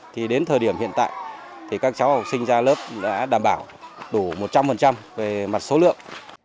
thì đến thời điểm hiện tại thì các cháu học sinh ra lớp đã đảm bảo đủ một trăm linh về mặt số lượng